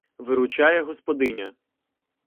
Виручає господиня: